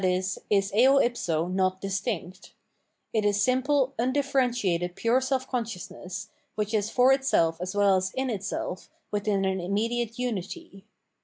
is eo ipso not distinct ; it is simple undiSerentiated pure self consciousness, which is for itself as well as in itself within an immediate unity.